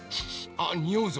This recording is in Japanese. あっにおうぞ！